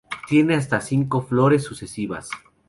Tiene hasta cinco flores sucesivas.